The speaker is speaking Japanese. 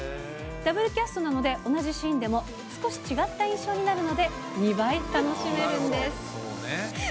ダブルキャストなので、同じシーンでも少し違った印象になるので、２倍楽しめるんです。